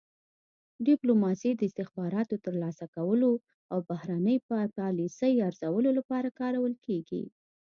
ډیپلوماسي د استخباراتو ترلاسه کولو او د بهرنۍ پالیسۍ ارزولو لپاره کارول کیږي